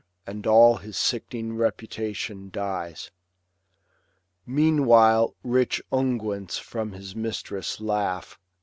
And all his sick'ning reputation dies. Meanwhile rich unguents from his mistress laugh.